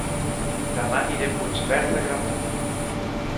Dema aniré a Puigverd d'Agramunt